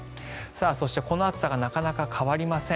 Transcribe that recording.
そして、この暑さがなかなか変わりません。